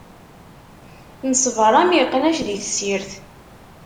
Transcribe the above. Neṣber am iqnac di tessirt.